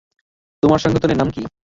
তোমার সংগঠনের নাম কী?